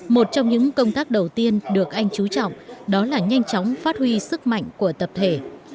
một trong những công tác đầu tiên được anh chú trọng đó là nhanh chóng phát huy sức mạnh của tập thể